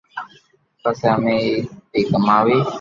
پسي امي عيد پي ڪماوي